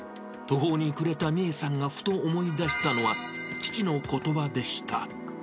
途方に暮れた美恵さんがふと思い出したのは、父のことばでした。